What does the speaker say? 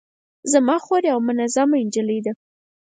زما خور یوه منظمه نجلۍ ده